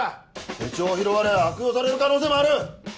手帳を拾われ悪用される可能性もある！